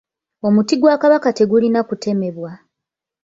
Omuti gwa Kabaka tegulina kutemebwa.